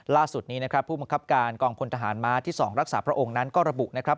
ล่าสุดนี้นะครับผู้บังคับการกองพลทหารม้าที่๒รักษาพระองค์นั้นก็ระบุนะครับ